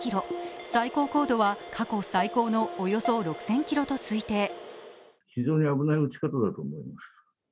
最高高度は過去最高のおよそ６０００ｋｍと推定。